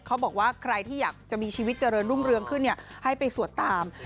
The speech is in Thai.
เขาบอกว่าใครที่อยากจะมีชีวิตเจริญรุ่งเรืองขึ้นให้ไปสวดตาม